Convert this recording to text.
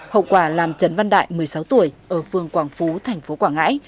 hậu quả làm trấn văn đại một mươi sáu tuổi ở phường quảng phú thành phố quảng ngãi